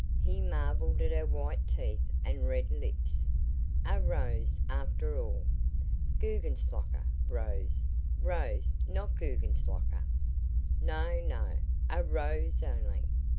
He marveled at her white teeth and red lips. A rose, after all. Guggenslocker, rose; rose, not Guggenslocker. No, no! A rose only!